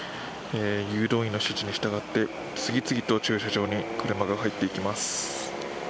誘導員の指示に従って次々と駐車場に車が入っていきます。